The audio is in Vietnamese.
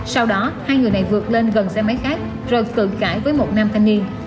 sau đó hai người này vượt lên gần xe máy khác rồi phượng cãi với một nam thanh niên